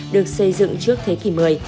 được xây dựng trước thế kỷ một mươi